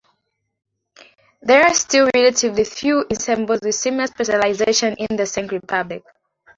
There are still relatively few ensembles with similar specialization in the Czech Republic.